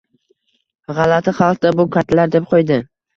«G‘alati xalq-da, bu kattalar», deb qo‘ydi